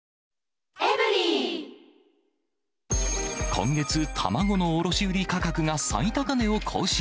今月、卵の卸売り価格が最高値を更新。